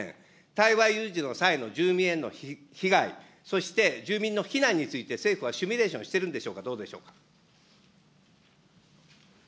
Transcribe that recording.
台湾有事の際の住民への被害、そして住民の避難について、政府はシミュレーションしてるんでしょうか、どうでしょうか。